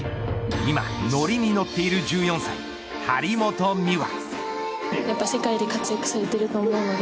今、ノリにノッている１４歳張本美和。